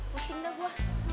pusing dah gua